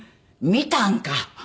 見たんか。